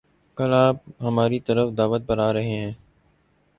کل آپ ہماری طرف دعوت پر آرہے ہیں